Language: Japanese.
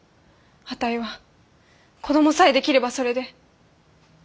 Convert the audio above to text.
あたいは子どもさえ出来ればそれで。